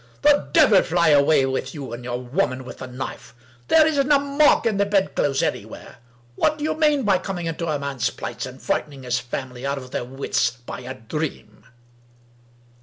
" The devil fly away with you and your woman with the knife! There isn't a mark in the bedclothes anywhere. What do you mean by coming into a man's place and frightening his family out of their wits by a dream